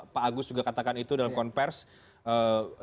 pak agus juga katakan itu dalam konversi